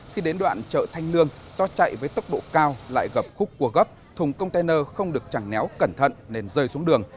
khi đến đoạn chợ thanh lương do chạy với tốc độ cao lại gặp khúc cua gấp thùng container không được chẳng néo cẩn thận nên rơi xuống đường